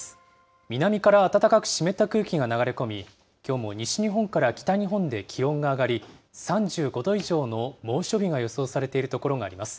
南から暖かく湿った空気が流れ込み、きょうも西日本から北日本で気温が上がり、３５度以上の猛暑日が予想されている所があります。